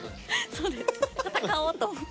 そうです戦おうと思って。